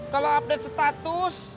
kalau update status